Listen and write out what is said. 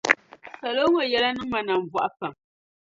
Salo ŋɔ yɛla niŋ ma nambɔɣu pam.